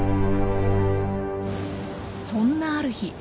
そんなある日。